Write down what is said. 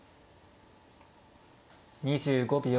２５秒。